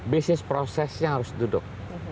bisnis prosesnya harus duduk